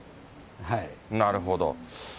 なるほど。